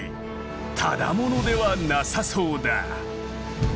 ただものではなさそうだ。